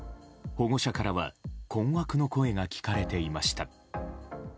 保護者からは困惑の声が聞かれていました。